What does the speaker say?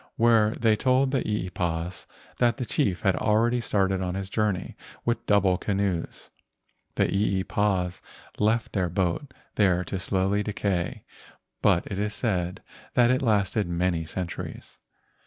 When they told the eepas that the chief had already started on his journey with double canoes, the eepas left their boat there to slowly decay, but it is said that it lasted many cent¬ uries.